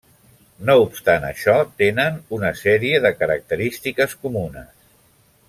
No obstant això, tenen una sèrie de característiques comunes.